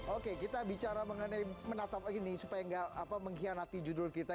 oke kita bicara mengenai menatap ini supaya nggak mengkhianati judul kita